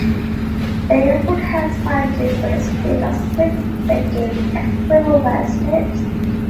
The airport has five jetways with a sixth gate accessible via stairs.